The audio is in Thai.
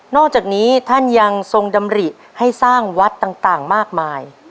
อกจากนี้ท่านยังทรงดำริให้สร้างวัดต่างมากมาย